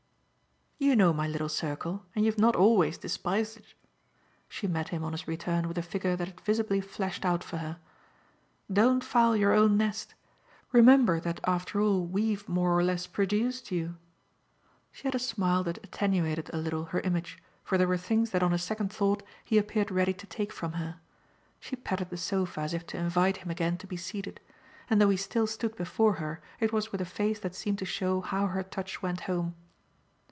"You know my little circle, and you've not always despised it." She met him on his return with a figure that had visibly flashed out for her. "Don't foul your own nest! Remember that after all we've more or less produced you." She had a smile that attenuated a little her image, for there were things that on a second thought he appeared ready to take from her. She patted the sofa as if to invite him again to be seated, and though he still stood before her it was with a face that seemed to show how her touch went home.